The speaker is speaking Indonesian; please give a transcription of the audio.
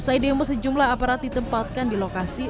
saya demokrasi jumlah aparat ditempatkan di lokasi